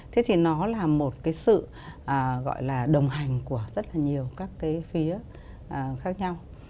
thế thì nó là một cái sự gọi là đồng hành của rất là nhiều các cái phía khác nhau